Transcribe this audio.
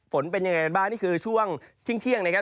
เป็นยังไงบ้างนี่คือช่วงเที่ยงนะครับ